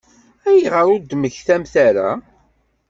Ayɣer ur d-temmektamt ara?